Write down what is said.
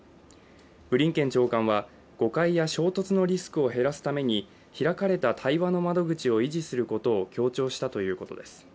ブリンケン長官は誤解や衝突のリスクを減らすために開かれた対話の窓口を維持することを強調したということです。